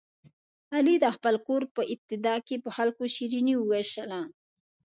علي د خپل کور په ابتدا کې په خلکو شیریني ووېشله.